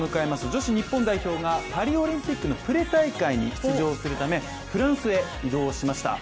女子日本代表がパリオリンピックのプレ大会に出場するためフランスへ移動しました。